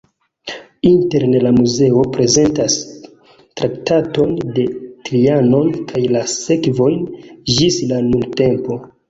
Interne la muzeo prezentas Traktaton de Trianon kaj la sekvojn ĝis la nuntempo.